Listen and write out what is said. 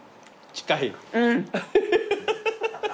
近い。